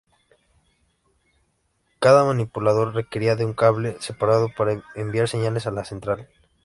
Cada manipulador requería de un cable separado para enviar señales a la central.